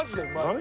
何？